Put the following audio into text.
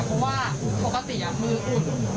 เพราะว่าปกติมืออุ่น